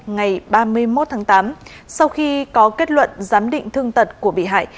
ngày ba mươi một tháng tám sau khi có kết luận giám định thương tật của bị hại